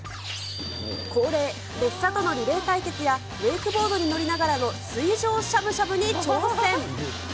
恒例、列車とのリレー対決やウェイクボードに乗りながらの水上しゃぶしゃぶに挑戦。